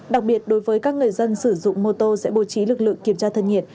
đặc biệt đối với các người dân sử dụng mô tô sẽ bố trí lực lượng kiểm tra thân nhiệt